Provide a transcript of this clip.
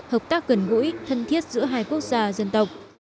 hợp tác gần gũi thân thiết giữa hai quốc gia dân tộc